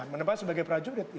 menempatkan sebagai prajurit